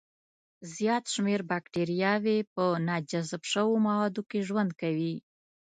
زیات شمېر بکتریاوي په ناجذب شوو موادو کې ژوند کوي.